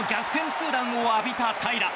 ツーランを浴びた平良。